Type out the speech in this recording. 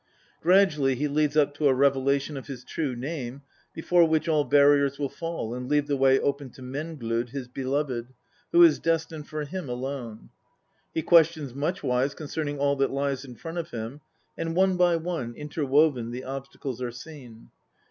Gradually he leads up to a revelation of his true name, before which all barriers will fall and leave the way open to Menglod, his beloved, who is destined for him alone. He questions Much wise concerning all that lies in front of him, and one by one, interwoven, the obstacles are seen.